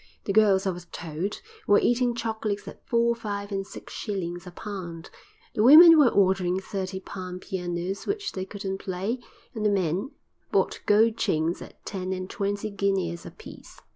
The girls, I was told, were eating chocolates at four, five, and six shillings a pound, the women were ordering thirty pound pianos which they couldn't play, and the men bought gold chains at ten and twenty guineas apiece.